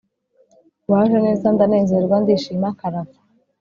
Uwajeneza ndanezerwa ndishima karava